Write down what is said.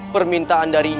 permintaan dari ini